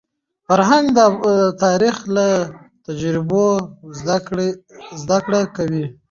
فرهنګ د تاریخ له تجربو نه زده کړه کوي.